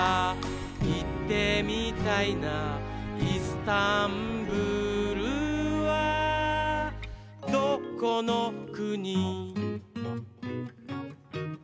「いってみたいないすタンブールはどこのくに？」